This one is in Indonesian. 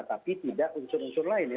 tapi tidak unsur unsur lain ya